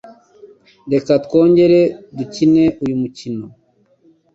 Reka twongere dukine uyu mukino.